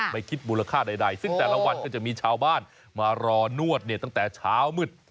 ไม่คิดมูลค่าใดซึ่งแต่ละวันก็จะมีชาวบ้านมารอนวดเนี่ยตั้งแต่เช้ามืด